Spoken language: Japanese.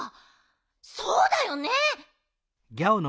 そうだよね。